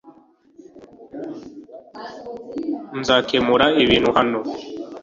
Nzakemura ibintu hano .